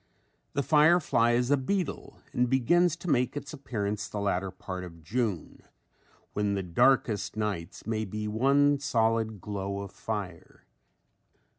The firefly is a beetle, and begins to make its appearance the latter part of June when the darkest nights may be one solid glow of fire.